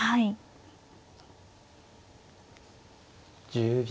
１０秒。